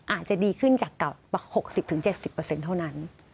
อาจจะดีขึ้นจาก๖๐๗๐เท่านั้น